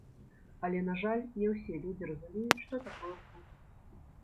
Але, на жаль, не ўсе людзі разумеюць, што такое клуб.